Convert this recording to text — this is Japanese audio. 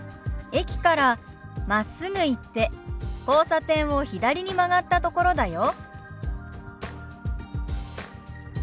「駅からまっすぐ行って交差点を左に曲がったところだよ」。